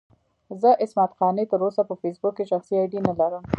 زه عصمت قانع تر اوسه په فېسبوک کې شخصي اې ډي نه لرم.